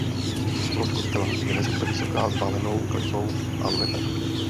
Loď kostela je nezvykle vysoká s valenou klenbou a lunetami.